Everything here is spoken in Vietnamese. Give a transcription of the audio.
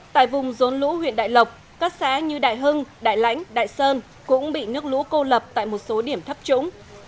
tại vùng rốn lũ huyện đại lộc các xã như đại hưng đại lãnh đại sơn cũng bị nước lũ cô lập tại một số điểm thấp trũng